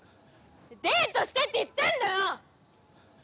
デートしてって言ってんだよ！